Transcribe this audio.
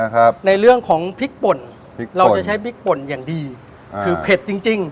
ครับในเรื่องของพริกป่นพริกเราจะใช้พริกป่นอย่างดีคือเผ็ดจริงจริง